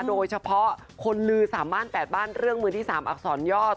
โดยเฉพาะคนลือ๓บ้าน๘บ้านเรื่องมือที่๓อักษรยอด